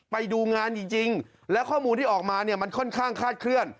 ไปดูงานจริงแล้วข้อมูลที่ออกมาเนี่ยมันค่อนข้างคาดเคลื่อน